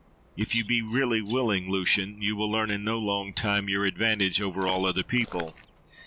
—If you be really willing, Lucian! you will learn in no long time your advantage over all other people.